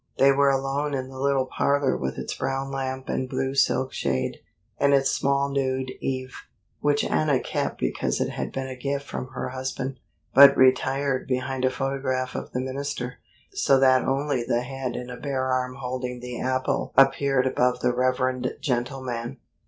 They were alone in the little parlor with its brown lamp and blue silk shade, and its small nude Eve which Anna kept because it had been a gift from her husband, but retired behind a photograph of the minister, so that only the head and a bare arm holding the apple appeared above the reverend gentleman.